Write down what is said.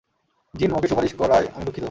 Gym, ওকে সুপারিশ করায় আমি দুঃখিত।